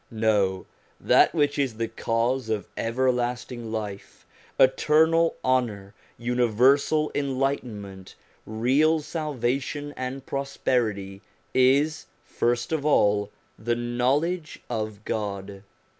No, that which is the cause of everlasting life, eternal honour, universal enlightenment, real salvation and prosperity, is, first of all, the know ledge of God.